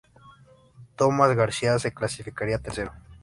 Tomás García se clasificaría tercero.